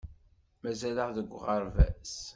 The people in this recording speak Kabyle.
Mazal-aɣ deg uɣerbaz.